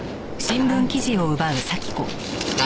何？